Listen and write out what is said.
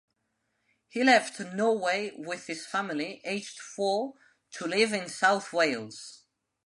He left Norway with his family aged four to live in South Wales.